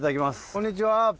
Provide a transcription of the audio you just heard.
こんにちは。